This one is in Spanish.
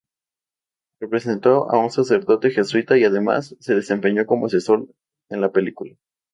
Representó a un sacerdote jesuita y además, se desempeñó como asesor en la película.